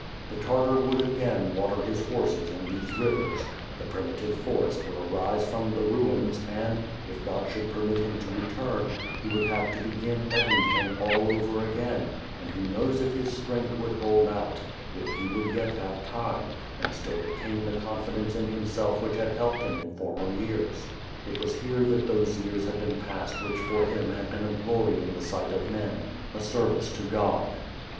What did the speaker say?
The Tartar would again water his horses in these rivers; the prim itive forest would arise from the ruins and, if God should permit him to return, he would have to begin everything all over again — and who knows if his strength would hold out; if he would yet have time, and still retain the confidence in himself which had helped him in former years. It was here that those years had been passed which for him had been a glory in the sight of men; a service to God.